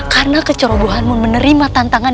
karena kecerobohanmu menerima tantangan